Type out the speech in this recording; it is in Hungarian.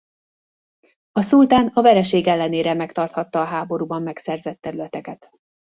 A szultán a vereség ellenére megtarthatta a háborúban megszerzett területeket.